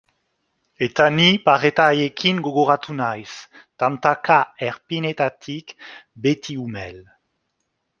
Eta ni pareta haiekin gogoratu naiz, tantaka erpinetatik, beti umel.